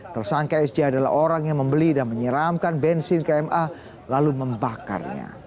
tersangka sj adalah orang yang membeli dan menyeramkan bensin kma lalu membakarnya